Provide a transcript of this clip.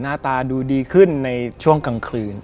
หน้าตาดูดีขึ้นในช่วงกลางคืน